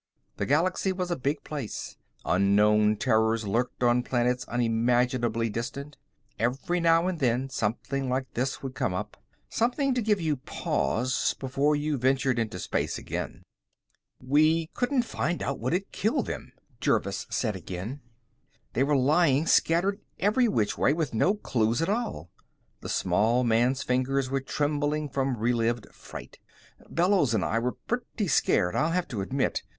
The galaxy was a big place; unknown terrors lurked on planets unimaginably distant. Every now and then, something like this would come up something to give you pause, before you ventured into space again. "We couldn't find out what had killed them," Jervis said again. "They were lying scattered every which way, with no clues at all." The small man's fingers were trembling from relived fright. "Bellows and I were pretty scared, I'll have to admit.